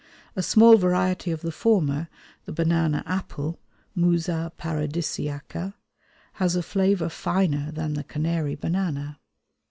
A small variety of the former, the banana apple (Musa paradisiaca), has a flavour finer than the Canary banana.